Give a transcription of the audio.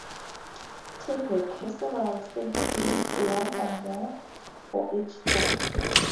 Tepic has several state teams, one or more for each sport.